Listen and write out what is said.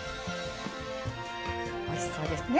おいしそうですね